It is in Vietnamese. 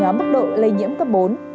có mức độ lây nhiễm cấp bốn